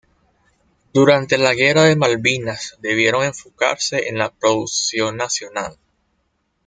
Durante la Guerra de Malvinas debieron enfocarse en la producción nacional.